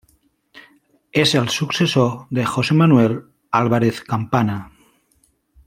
És el successor de José Manuel Álvarez Campana.